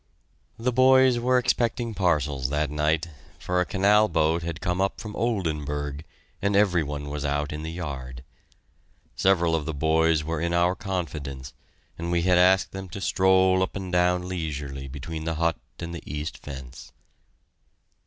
The boys were expecting parcels that night, for a canal boat had come up from Oldenburg, and every one was out in the yard. Several of the boys were in our confidence, and we had asked them to stroll up and down leisurely between the hut and the east fence.